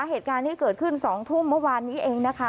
เหตุการณ์ที่เกิดขึ้น๒ทุ่มเมื่อวานนี้เองนะคะ